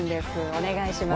お願いします。